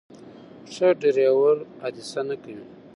ښه ډرایور حادثه نه کوي.